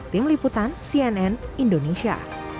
tim liputan cnn indonesia